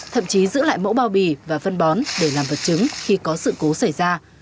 thậm chí giữ lại mẫu bao bì và phân bón để làm vật chứng khi có sự cố xảy ra